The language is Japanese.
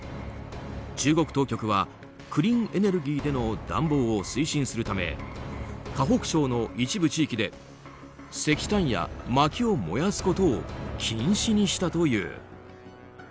中国当局はクリーンエネルギーでの暖房を推進するため河北省の一部地域で石炭やまきを燃やすことを禁止にしたという。